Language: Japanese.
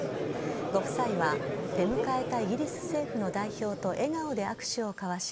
ご夫妻は出迎えたイギリス政府の代表と笑顔で握手を交わし